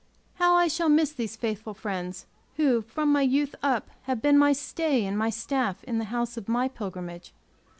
How I shall miss these faithful friends, who, from my youth up, have been my stay and my staff in the house of my pilgrimage!